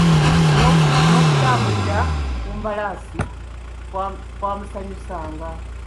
N'okutambulira ku mbalaasi kwamusanyusanga.